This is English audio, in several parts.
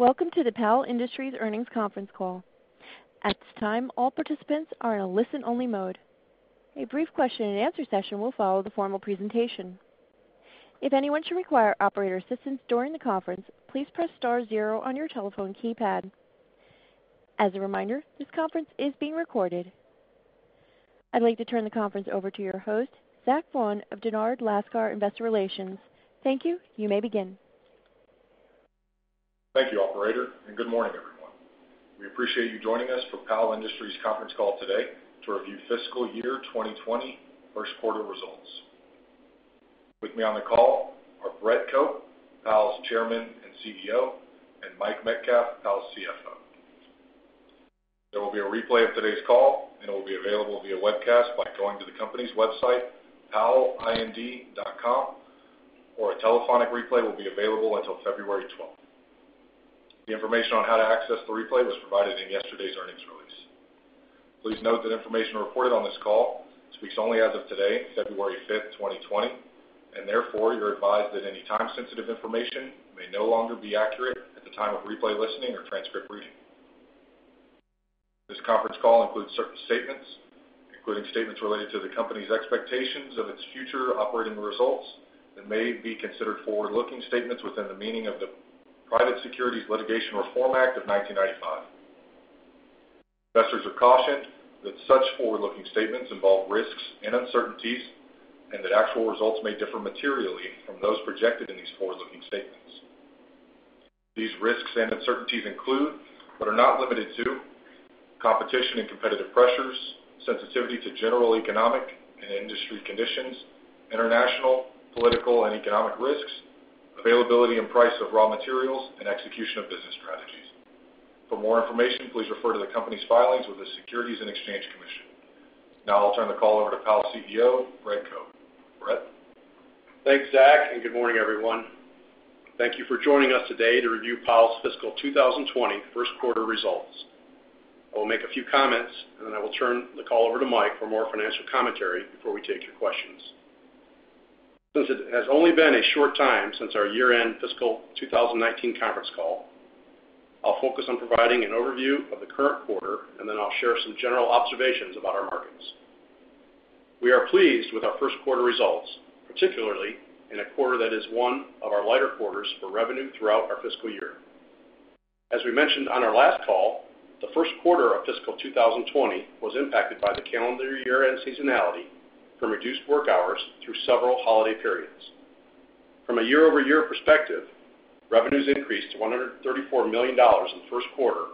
Welcome to the Powell Industries Earnings Conference Call. At this time, all participants are in a listen-only mode. A brief Q&A session will follow the formal presentation. If anyone should require operator assistance during the conference, please press star zero on your telephone keypad. As a reminder, this conference is being recorded. I'd like to turn the conference over to your host, Zach Vaughan of Dennard Lascar Investor Relations. Thank you. You may begin. Thank you, Operator, and good morning, everyone. We appreciate you joining us for Powell Industries Conference Call today to review fiscal year 2020 first-quarter results. With me on the call are Brett Cope, Powell's Chairman and CEO, and Mike Metcalf, Powell's CFO. There will be a replay of today's call, and it will be available via webcast by going to the company's website, powellind.com, or a telephonic replay will be available until February 12th. The information on how to access the replay was provided in yesterday's earnings release. Please note that information reported on this call speaks only as of today, February 5th, 2020, and therefore you're advised that any time-sensitive information may no longer be accurate at the time of replay listening or transcript reading. This conference call includes certain statements, including statements related to the company's expectations of its future operating results that may be considered forward-looking statements within the meaning of the Private Securities Litigation Reform Act of 1995. Investors are cautioned that such forward-looking statements involve risks and uncertainties, and that actual results may differ materially from those projected in these forward-looking statements. These risks and uncertainties include, but are not limited to, competition and competitive pressures, sensitivity to general economic and industry conditions, international, political, and economic risks, availability and price of raw materials, and execution of business strategies. For more information, please refer to the company's filings with the Securities and Exchange Commission. Now I'll turn the call over to Powell's CEO, Brett Cope. Brett? Thanks, Zach, and good morning, everyone. Thank you for joining us today to review Powell's fiscal 2020 first-quarter results. I will make a few comments, and then I will turn the call over to Mike for more financial commentary before we take your questions. Since it has only been a short time since our year-end fiscal 2019 conference call, I'll focus on providing an overview of the current quarter, and then I'll share some general observations about our markets. We are pleased with our first-quarter results, particularly in a quarter that is one of our lighter quarters for revenue throughout our fiscal year. As we mentioned on our last call, the first quarter of fiscal 2020 was impacted by the calendar year-end seasonality from reduced work hours through several holiday periods. From a year-over-year perspective, revenues increased to $134 million in the first quarter,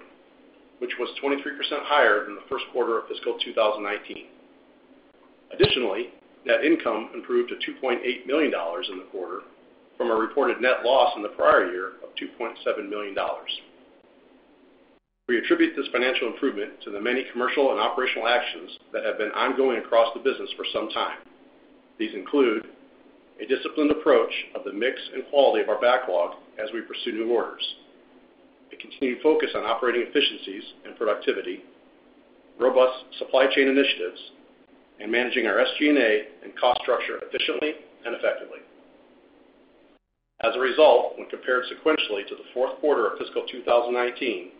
which was 23% higher than the first quarter of fiscal 2019. Additionally, net income improved to $2.8 million in the quarter from a reported net loss in the prior year of $2.7 million. We attribute this financial improvement to the many commercial and operational actions that have been ongoing across the business for some time. These include a disciplined approach of the mix and quality of our backlog as we pursue new orders, a continued focus on operating efficiencies and productivity, robust supply chain initiatives, and managing our SG&A and cost structure efficiently and effectively. As a result, when compared sequentially to the fourth quarter of fiscal 2019,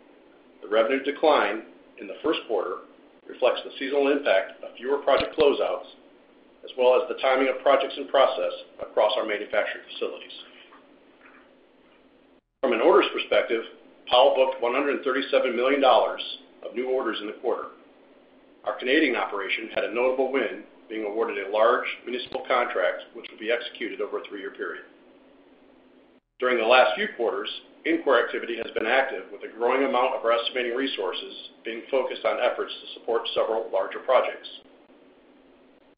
the revenue decline in the first quarter reflects the seasonal impact of fewer project closeouts, as well as the timing of projects in process across our manufacturing facilities. From an orders perspective, Powell booked $137 million of new orders in the quarter. Our Canadian operation had a notable win, being awarded a large municipal contract, which will be executed over a three-year period. During the last few quarters, inquiry activity has been active with a growing amount of our estimating resources being focused on efforts to support several larger projects.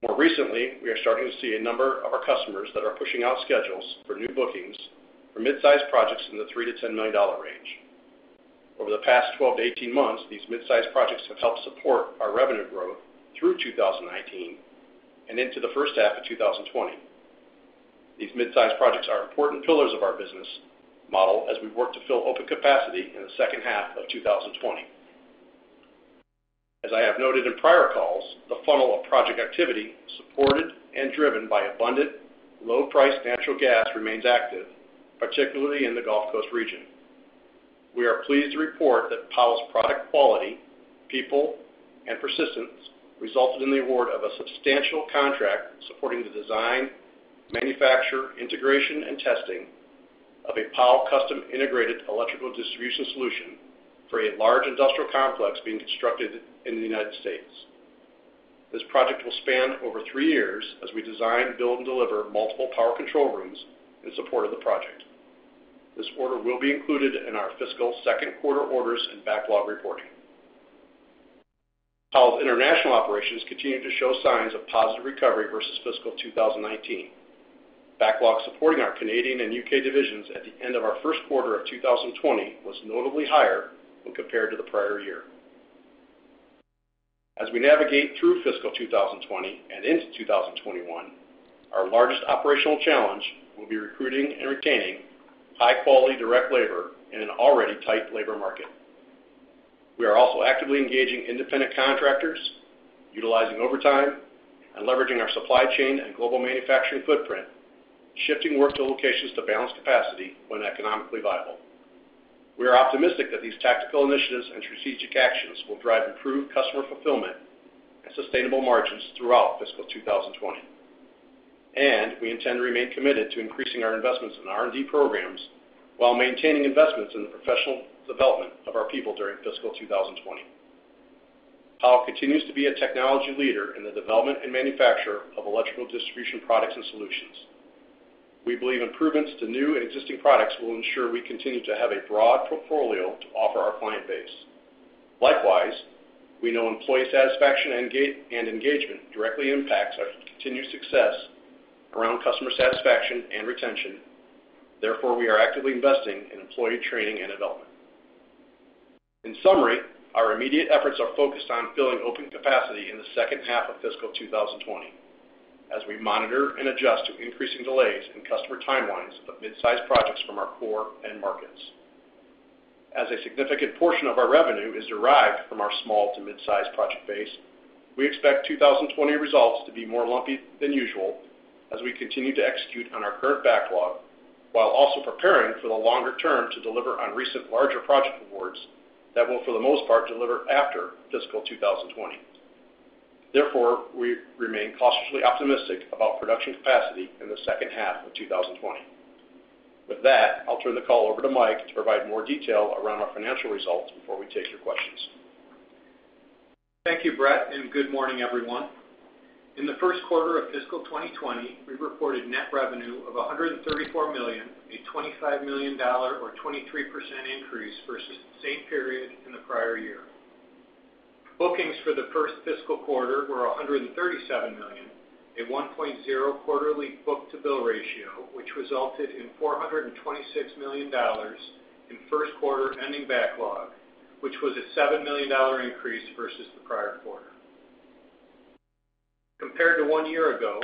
More recently, we are starting to see a number of our customers that are pushing out schedules for new bookings for mid-sized projects in the $3-$10 million range. Over the past 12 to 18 months, these mid-sized projects have helped support our revenue growth through 2019 and into the first half of 2020. These mid-sized projects are important pillars of our business model as we work to fill open capacity in the second half of 2020. As I have noted in prior calls, the funnel of project activity supported and driven by abundant, low-priced natural gas remains active, particularly in the Gulf Coast region. We are pleased to report that Powell's product quality, people, and persistence resulted in the award of a substantial contract supporting the design, manufacture, integration, and testing of a Powell custom integrated electrical distribution solution for a large industrial complex being constructed in the United States. This project will span over three years as we design, build, and deliver multiple power control rooms in support of the project. This order will be included in our fiscal second-quarter orders and backlog reporting. Powell's international operations continue to show signs of positive recovery versus fiscal 2019. Backlog supporting our Canadian and U.K. divisions at the end of our first quarter of 2020 was notably higher when compared to the prior year. As we navigate through fiscal 2020 and into 2021, our largest operational challenge will be recruiting and retaining high-quality direct labor in an already tight labor market. We are also actively engaging independent contractors, utilizing overtime, and leveraging our supply chain and global manufacturing footprint, shifting work to locations to balance capacity when economically viable. We are optimistic that these tactical initiatives and strategic actions will drive improved customer fulfillment and sustainable margins throughout fiscal 2020, and we intend to remain committed to increasing our investments in R&D programs while maintaining investments in the professional development of our people during fiscal 2020. Powell continues to be a technology leader in the development and manufacture of electrical distribution products and solutions. We believe improvements to new and existing products will ensure we continue to have a broad portfolio to offer our client base. Likewise, we know employee satisfaction and engagement directly impacts our continued success around customer satisfaction and retention. Therefore, we are actively investing in employee training and development. In summary, our immediate efforts are focused on filling open capacity in the second half of fiscal 2020 as we monitor and adjust to increasing delays in customer timelines of mid-sized projects from our core and markets. As a significant portion of our revenue is derived from our small to mid-sized project base, we expect 2020 results to be more lumpy than usual as we continue to execute on our current backlog while also preparing for the longer term to deliver on recent larger project awards that will, for the most part, deliver after fiscal 2020. Therefore, we remain cautiously optimistic about production capacity in the second half of 2020. With that, I'll turn the call over to Mike to provide more detail around our financial results before we take your questions. Thank you, Brett, and good morning, everyone. In the first quarter of fiscal 2020, we reported net revenue of $134 million, a $25 million or 23% increase versus the same period in the prior year. Bookings for the first fiscal quarter were $137 million, a 1.0 quarterly book-to-bill ratio, which resulted in $426 million in first-quarter ending backlog, which was a $7 million increase versus the prior quarter. Compared to one year ago,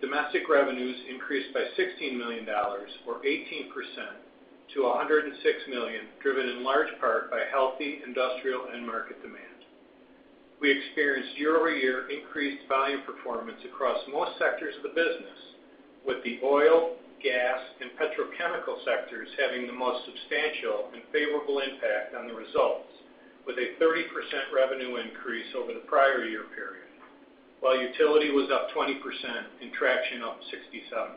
domestic revenues increased by $16 million or 18% to $106 million, driven in large part by healthy industrial and market demand. We experienced year-over-year increased value performance across most sectors of the business, with the oil, gas, and petrochemical sectors having the most substantial and favorable impact on the results, with a 30% revenue increase over the prior year period, while utility was up 20% and traction up 67%.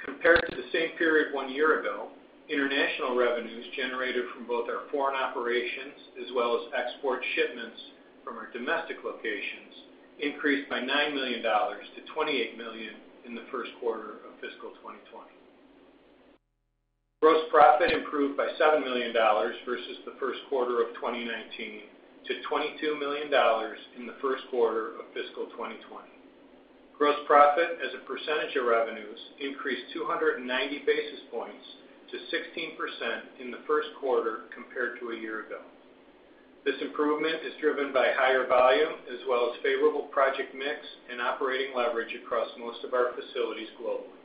Compared to the same period one year ago, international revenues generated from both our foreign operations as well as export shipments from our domestic locations increased by $9 million to $28 million in the first quarter of fiscal 2020. Gross profit improved by $7 million versus the first quarter of 2019 to $22 million in the first quarter of fiscal 2020. Gross profit, as a percentage of revenues, increased 290 basis points to 16% in the first quarter compared to a year ago. This improvement is driven by higher volume as well as favorable project mix and operating leverage across most of our facilities globally.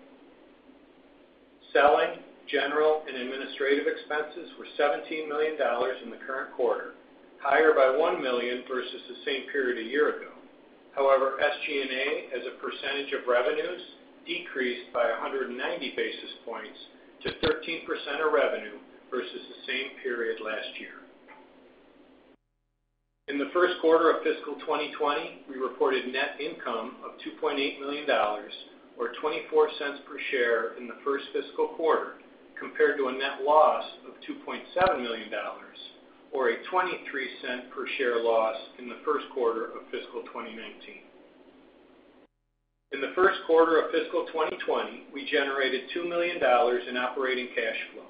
Selling, general, and administrative expenses were $17 million in the current quarter, higher by $1 million versus the same period a year ago. However, SG&A as a percentage of revenues decreased by 190 basis points to 13% of revenue versus the same period last year. In the first quarter of fiscal 2020, we reported net income of $2.8 million, or $0.24 per share in the first fiscal quarter, compared to a net loss of $2.7 million, or a $0.23 per share loss in the first quarter of fiscal 2019. In the first quarter of fiscal 2020, we generated $2 million in operating cash flow,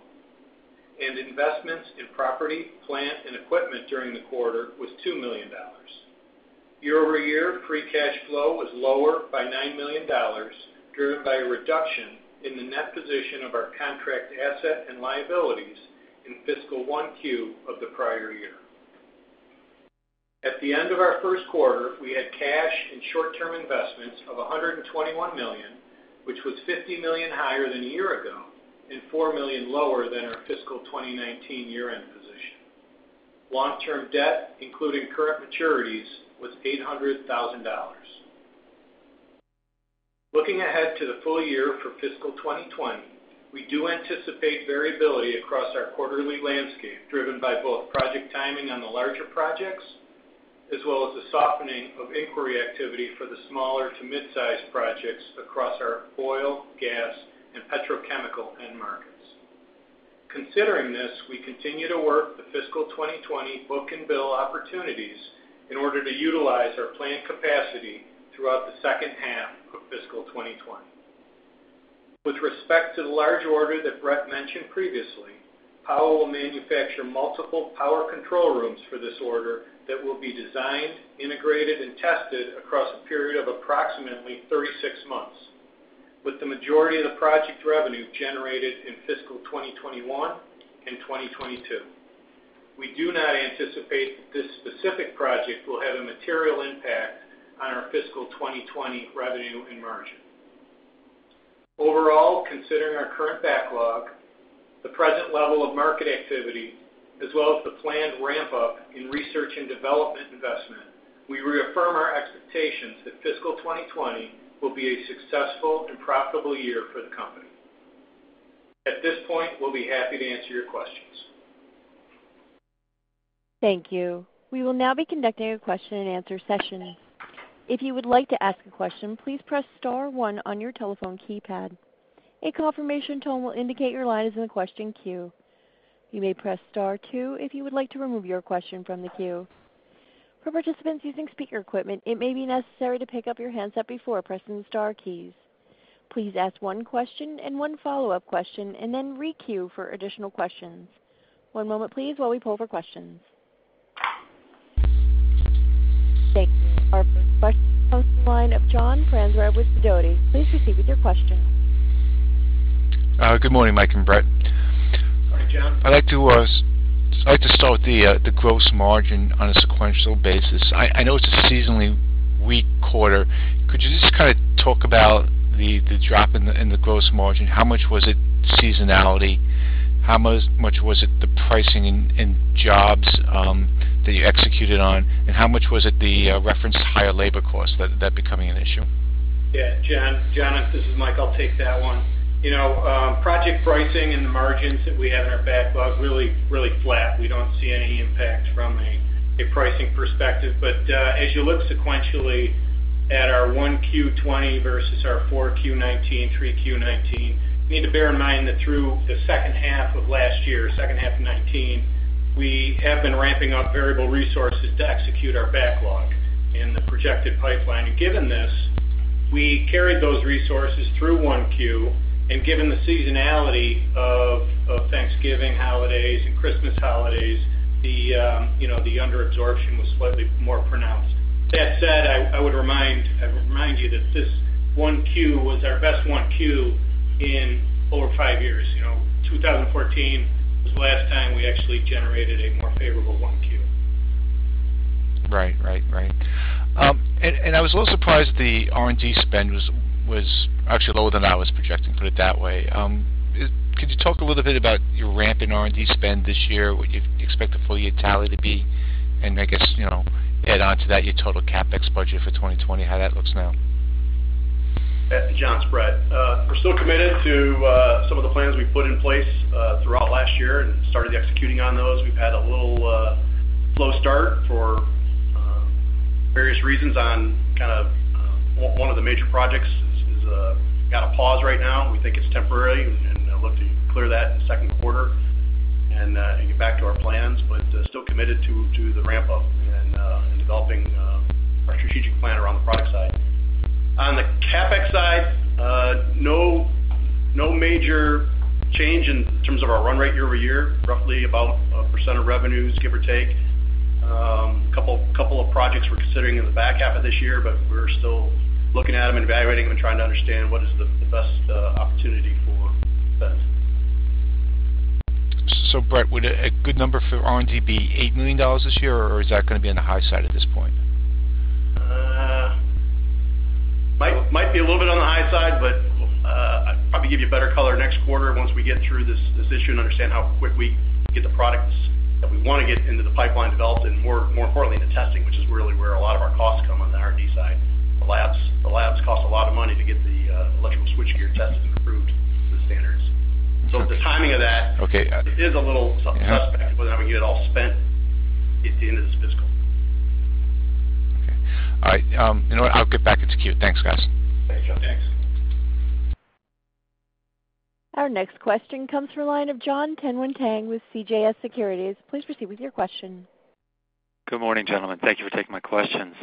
and investments in property, plant, and equipment during the quarter was $2 million. Year-over-year free cash flow was lower by $9 million, driven by a reduction in the net position of our contract asset and liabilities in fiscal 1Q of the prior year. At the end of our first quarter, we had cash and short-term investments of $121 million, which was $50 million higher than a year ago and $4 million lower than our fiscal 2019 year-end position. Long-term debt, including current maturities, was $800,000. Looking ahead to the full year for fiscal 2020, we do anticipate variability across our quarterly landscape, driven by both project timing on the larger projects as well as the softening of inquiry activity for the smaller to mid-sized projects across our oil, gas, and petrochemical end markets. Considering this, we continue to work the fiscal 2020 book-to-bill opportunities in order to utilize our planned capacity throughout the second half of fiscal 2020. With respect to the large order that Brett mentioned previously, Powell will manufacture multiple power control rooms for this order that will be designed, integrated, and tested across a period of approximately 36 months, with the majority of the project revenue generated in fiscal 2021 and 2022. We do not anticipate that this specific project will have a material impact on our fiscal 2020 revenue and margin. Overall, considering our current backlog, the present level of market activity, as well as the planned ramp-up in research and development investment, we reaffirm our expectations that fiscal 2020 will be a successful and profitable year for the company. At this point, we'll be happy to answer your questions. Thank you. We will now be conducting a Q&A session. If you would like to ask a question, please press *1 on your telephone keypad. A confirmation tone will indicate your line is in the question queue. You may press *2 if you would like to remove your question from the queue. For participants using speaker equipment, it may be necessary to pick up your handset before pressing the * keys. Please ask one question and one follow-up question, and then re-queue for additional questions. One moment, please, while we poll for questions. Thank you. Our first question comes from the line of John Franzreb with Sidoti. Please proceed with your question. Good morning, Mike and Brett. Hi, John. I'd like to start with the gross margin on a sequential basis. I know it's a seasonally weak quarter. Could you just kind of talk about the drop in the gross margin? How much was it seasonality? How much was it the pricing and jobs that you executed on? And how much was it the referenced higher labor costs that becoming an issue? Yeah. John, this is Mike, I'll take that one. Project pricing and the margins that we have in our backlog are really, really flat. We don't see any impact from a pricing perspective. But as you look sequentially at our 1Q '20 versus our 4Q '19, 3Q '19, you need to bear in mind that through the second half of last year, second half of 2019, we have been ramping up variable resources to execute our backlog in the projected pipeline. And given this, we carried those resources through 1Q. And given the seasonality of Thanksgiving, holidays, and Christmas holidays, the underabsorption was slightly more pronounced. That said, I would remind you that this 1Q was our best 1Q in over five years. 2014 was the last time we actually generated a more favorable 1Q. Right, right, right. And I was a little surprised that the R&D spend was actually lower than I was projecting, put it that way. Could you talk a little bit about your ramp in R&D spend this year, what you expect the full year tally to be, and I guess add on to that your total CapEx budget for 2020, how that looks now? John, its Brett. We're still committed to some of the plans we've put in place throughout last year and started executing on those. We've had a little slow start for various reasons on kind of one of the major projects has got a pause right now. We think it's temporary and look to clear that in the second quarter and get back to our plans, but still committed to the ramp-up and developing our strategic plan around the product side. On the CapEx side, no major change in terms of our run rate year-over-year, roughly about 1% of revenues, give or take. A couple of projects we're considering in the back half of this year, but we're still looking at them and evaluating them and trying to understand what is the best opportunity for spend. So Brett, would a good number for R&D be $8 million this year, or is that going to be on the high side at this point? Might be a little bit on the high side, but I'll probably give you a better color next quarter once we get through this issue and understand how quick we get the products that we want to get into the pipeline developed and, more importantly, the testing, which is really where a lot of our costs come on the R&D side. The labs cost a lot of money to get the electrical switchgear tested and approved to the standards. So the timing of that is a little suspect with having it all spent at the end of this fiscal. Okay. All right. You know what? I'll get back into queue. Thanks, guys. Thanks, John. Thanks. Our next question comes from the line of Jon Tanwanteng with CJS Securities. Please proceed with your question. Good morning, gentlemen. Thank you for taking my questions.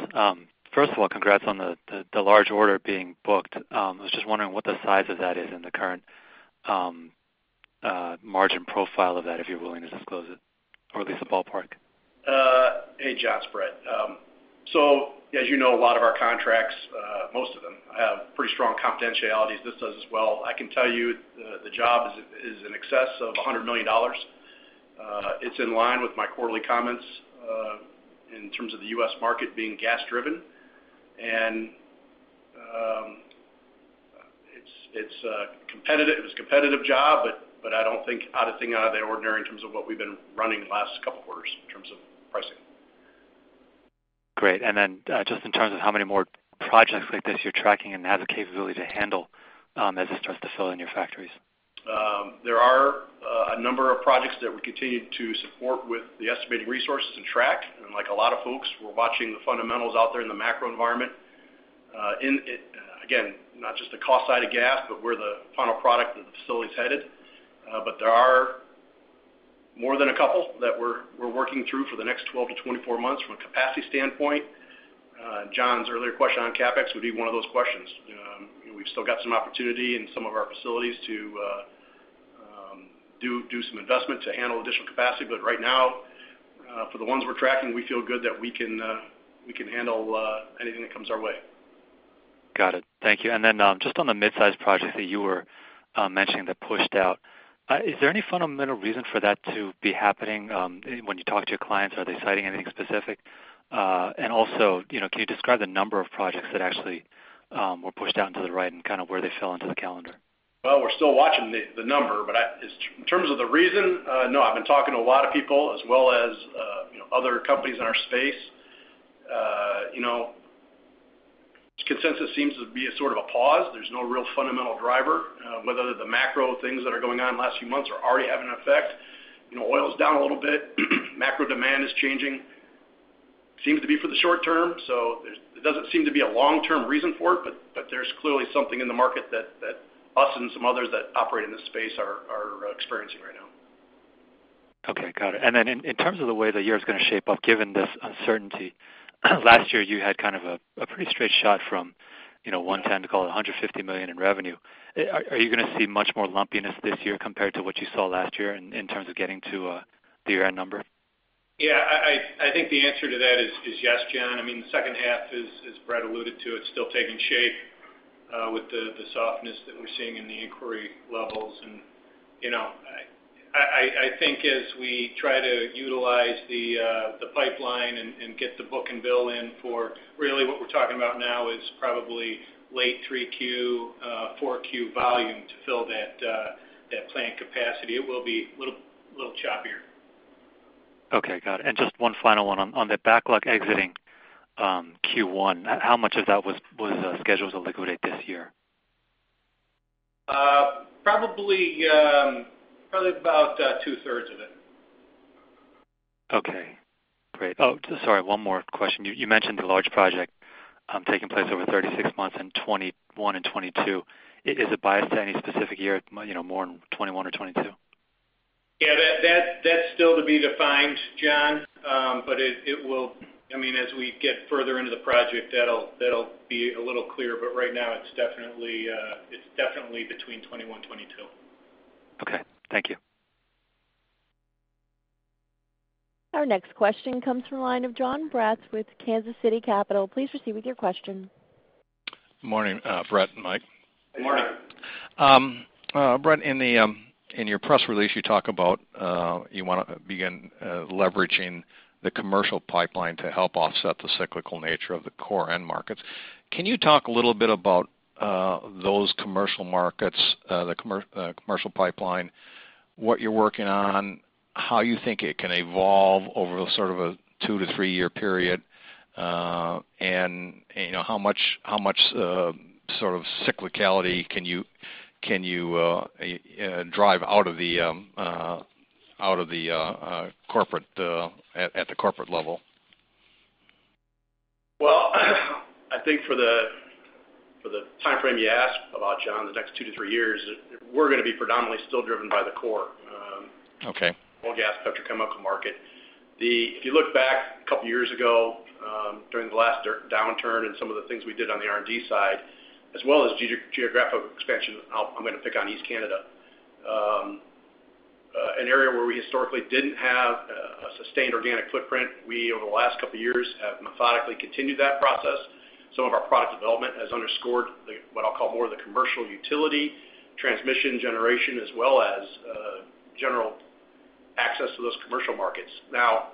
First of all, congrats on the large order being booked. I was just wondering what the size of that is and the current margin profile of that, if you're willing to disclose it, or at least a ballpark. Hey, John, its Brett. So as you know, a lot of our contracts, most of them, have pretty strong confidentialities. This does as well. I can tell you the job is in excess of $100 million. It's in line with my quarterly comments in terms of the U.S. market being gas-driven, and it's a competitive job, but I don't think anything out of the ordinary in terms of what we've been running the last couple of quarters in terms of pricing. Great. And then just in terms of how many more projects like this you're tracking and have the capability to handle as it starts to fill in your factories? There are a number of projects that we continue to support with the estimated resources and track, and like a lot of folks, we're watching the fundamentals out there in the macro environment. Again, not just the cost side of gas, but where the final product of the facility is headed, but there are more than a couple that we're working through for the next 12-24 months from a capacity standpoint. John's earlier question on CapEx would be one of those questions. We've still got some opportunity in some of our facilities to do some investment to handle additional capacity, but right now, for the ones we're tracking, we feel good that we can handle anything that comes our way. Got it. Thank you. And then just on the mid-sized projects that you were mentioning that pushed out, is there any fundamental reason for that to be happening when you talk to your clients? Are they citing anything specific? And also, can you describe the number of projects that actually were pushed out to the right and kind of where they fell into the calendar? We're still watching the number, but in terms of the reason, no. I've been talking to a lot of people as well as other companies in our space. Consensus seems to be sort of a pause. There's no real fundamental driver, whether the macro things that are going on in the last few months are already having an effect. Oil's down a little bit. Macro demand is changing. Seems to be for the short term. So there doesn't seem to be a long-term reason for it, but there's clearly something in the market that us and some others that operate in this space are experiencing right now. Okay. Got it. And then in terms of the way the year is going to shape up, given this uncertainty, last year you had kind of a pretty straight shot from $110 million to call it $150 million in revenue. Are you going to see much more lumpiness this year compared to what you saw last year in terms of getting to the year-end number? Yeah. I think the answer to that is yes, John. I mean, the second half, as Brett alluded to, it's still taking shape with the softness that we're seeing in the inquiry levels. And I think as we try to utilize the pipeline and get the book-to-bill in for really what we're talking about now is probably late 3Q, 4Q volume to fill that plant capacity. It will be a little choppier. Okay. Got it. And just one final one. On the backlog exiting Q1, how much of that was scheduled to liquidate this year? Probably about two-thirds of it. Okay. Great. Oh, sorry. One more question. You mentioned the large project taking place over 36 months in 2021 and 2022. Is it biased to any specific year, more in 2021 or 2022? Yeah. That's still to be defined, John. But I mean, as we get further into the project, that'll be a little clearer. But right now, it's definitely between 2021 and 2022. Okay. Thank you. Our next question comes from the line of John Braatz with Kansas City Capital. Please proceed with your question. Good morning, Brett and Mike. Good morning. Brett, in your press release, you talk about you want to begin leveraging the commercial pipeline to help offset the cyclical nature of the core end markets. Can you talk a little bit about those commercial markets, the commercial pipeline, what you're working on, how you think it can evolve over sort of a two to three-year period, and how much sort of cyclicality can you drive out of the corporate at the corporate level? I think for the timeframe you asked about, John, the next two to three years, we're going to be predominantly still driven by the core oil, gas, petro-chemical market. If you look back a couple of years ago during the last downturn and some of the things we did on the R&D side, as well as geographical expansion, I'm going to pick on East Canada, an area where we historically didn't have a sustained organic footprint. We, over the last couple of years, have methodically continued that process. Some of our product development has underscored what I'll call more of the commercial utility, transmission generation, as well as general access to those commercial markets. Now,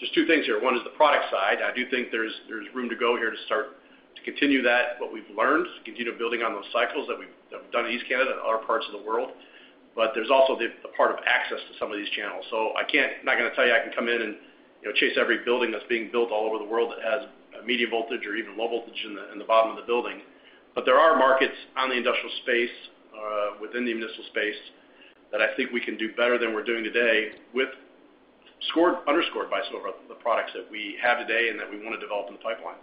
there's two things here. One is the product side. I do think there's room to go here to continue that, what we've learned, continue building on those cycles that we've done in East Canada and other parts of the world. But there's also the part of access to some of these channels. So I'm not going to tell you I can come in and chase every building that's being built all over the world that has medium voltage or even low voltage in the bottom of the building. But there are markets on the industrial space, within the municipal space, that I think we can do better than we're doing today with, underscored by some of the products that we have today and that we want to develop in the pipeline.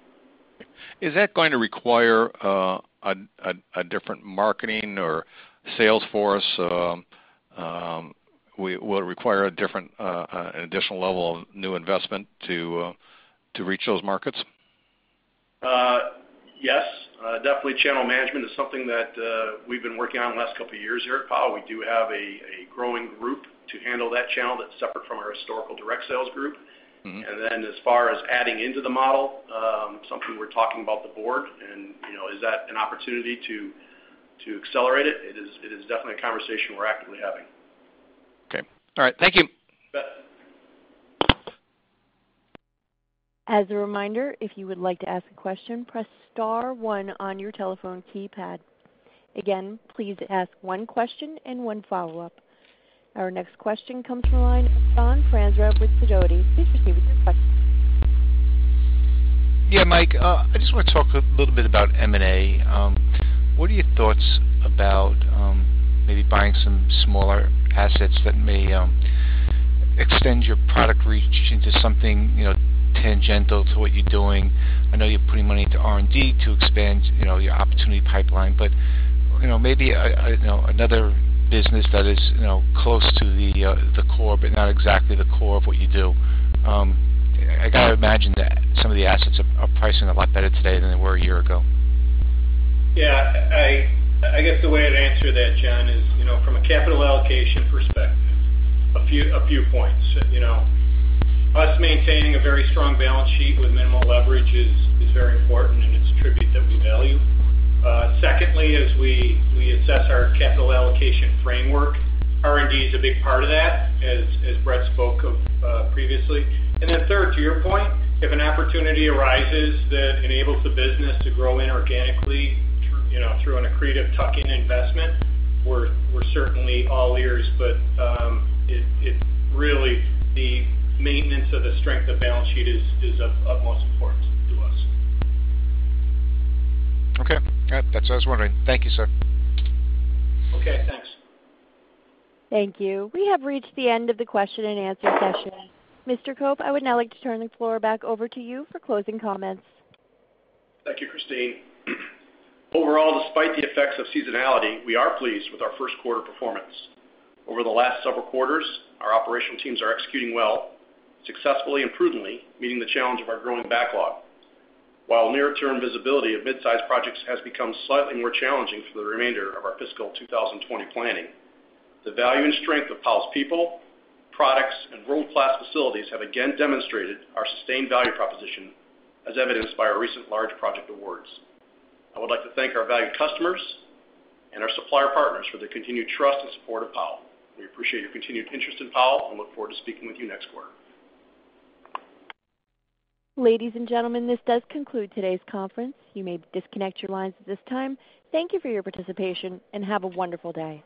Is that going to require a different marketing or sales force? Will it require an additional level of new investment to reach those markets? Yes. Definitely, channel management is something that we've been working on the last couple of years here at Powell. We do have a growing group to handle that channel that's separate from our historical direct sales group. And then as far as adding into the model, something we're talking about with the board. And is that an opportunity to accelerate it? It is definitely a conversation we're actively having. Okay. All right. Thank you. Bet. As a reminder, if you would like to ask a question, press *1 on your telephone keypad. Again, please ask one question and one follow-up. Our next question comes from the line of John Franzreb with Sidoti. Please proceed with your question. Yeah, Mike. I just want to talk a little bit about M&A. What are your thoughts about maybe buying some smaller assets that may extend your product reach into something tangential to what you're doing? I know you're putting money into R&D to expand your opportunity pipeline, but maybe another business that is close to the core but not exactly the core of what you do. I got to imagine that some of the assets are pricing a lot better today than they were a year ago. Yeah. I guess the way I'd answer that, John, is from a capital allocation perspective, a few points. Our maintaining a very strong balance sheet with minimal leverage is very important, and it's an attribute that we value. Secondly, as we assess our capital allocation framework, R&D is a big part of that, as Brett spoke of previously. And then third, to your point, if an opportunity arises that enables the business to grow inorganically through an accretive tuck-in investment, we're certainly all ears. But really, the maintenance of the strength of balance sheet is of utmost importance to us. Okay. All right. That's what I was wondering. Thank you, sir. Okay. Thanks. Thank you. We have reached the end of the question and answer session. Mr. Cope, I would now like to turn the floor back over to you for closing comments. Thank you, Christine. Overall, despite the effects of seasonality, we are pleased with our first quarter performance. Over the last several quarters, our operational teams are executing well, successfully and prudently, meeting the challenge of our growing backlog. While near-term visibility of mid-sized projects has become slightly more challenging for the remainder of our fiscal 2020 planning. The value and strength of Powell's people, products, and world-class facilities have again demonstrated our sustained value proposition, as evidenced by our recent large project awards. I would like to thank our valued customers and our supplier partners for the continued trust and support of Powell. We appreciate your continued interest in Powell and look forward to speaking with you next quarter. Ladies and gentlemen, this does conclude today's conference. You may disconnect your lines at this time. Thank you for your participation and have a wonderful day.